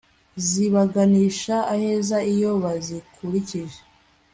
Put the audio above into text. zibaganisha aheza iyo bazikurikije